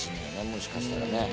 もしかしたらね。